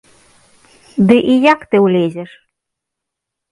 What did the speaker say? Ды і як ты ўлезеш?